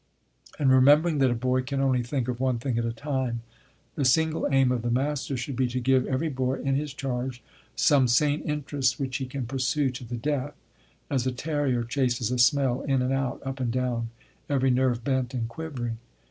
And remembering that a boy can only think of one thing at a time, the single aim of the master should be to give every boy in his charge some sane interest which he can pursue to the death, as a terrier chases a smell, in and out, up and down, every nerve bent and quivering.